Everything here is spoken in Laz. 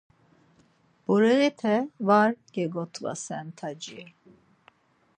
Bureğite var gegotvasen taci